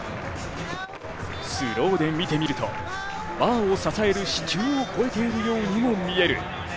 スローで見てみるとバーを支える支柱を越えているようにも見える。